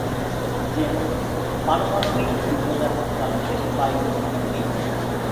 যেমন, পারমাণবিক ডুবোজাহাজ চালাতে বায়ুর দরকার নেই।